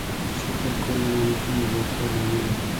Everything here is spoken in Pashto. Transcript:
شکر کول د نعمتونو د زیاتوالي لامل دی.